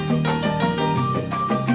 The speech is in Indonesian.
bagaimana viewpoint mereka lagi